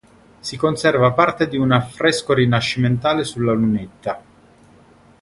Si conserva parte di un affresco rinascimentale sulla lunetta.